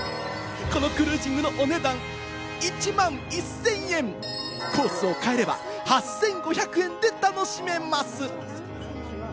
このクルージングのお値段、１万１０００円！コースを変えれば８５００円で楽しめます。